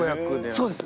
そうです。